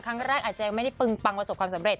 ครั้งแรกอาจจะไม่ได้ปึงปังประสบความสำเร็จ